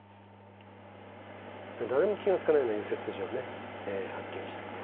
誰も気が付かないような寄せ筋をね発見したりね。